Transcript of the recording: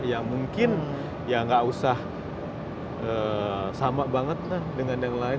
ya mungkin ya nggak usah sama banget lah dengan yang lain